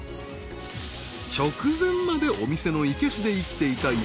［直前までお店のいけすで生きていた］